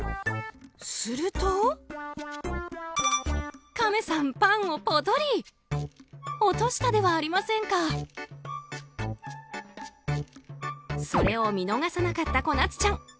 すると、カメさんパンをぽとり。落としたではありませんか！それを見逃さなかったこなつちゃん。